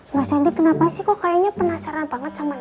mas andi kenapa sih kok kayaknya penasaran banget sama